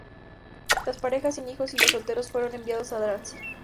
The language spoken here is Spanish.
Las parejas sin hijos y los solteros fueron enviados a Drancy.